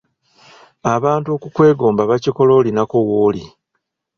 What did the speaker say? Abantu okukwegomba bakikola olinako w’oli.